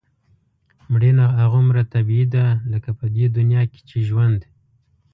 مړینه هغومره طبیعي ده لکه په دې دنیا کې چې ژوند.